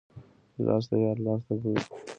ګیلاس د یار لاس ته ګوري.